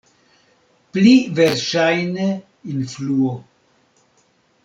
Pli verŝajne influo.